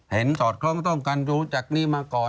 เห็นตอบครองต้องการรู้จากนี้มาก่อน